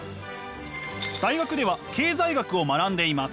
大学では経済学を学んでいます。